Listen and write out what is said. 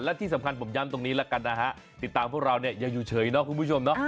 และที่สำคัญผมย้ำตรงนี้แล้วกันนะฮะติดตามพวกเราเนี่ยยังอยู่เฉยเนาะคุณผู้ชมเนาะ